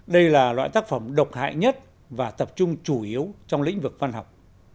đây là loại tác phẩm độc hại nhất và tập trung chủ yếu trong lĩnh vực văn học